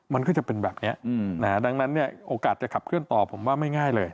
มันก็จะเป็นแบบนี้ดังนั้นเนี่ยโอกาสจะขับเคลื่อนต่อผมว่าไม่ง่ายเลย